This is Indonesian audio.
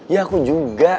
ya aku juga